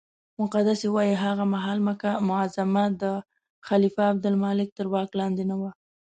مقدسي وایي هغه مهال مکه معظمه د خلیفه عبدالملک تر واک لاندې نه وه.